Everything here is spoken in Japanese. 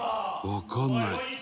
「わかんない。